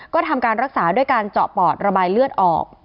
ก็ทำการรักษาด้วยการเจาะปอดระบายเลือดออก